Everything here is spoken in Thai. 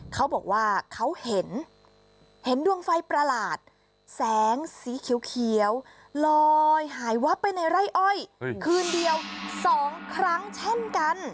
เขาบอกว่าเขาเห็นเห็นดวงไฟประหลาดแสงสีเขียวลอยหายวับไปในไร่อ้อยคืนเดียว๒ครั้งเช่นกัน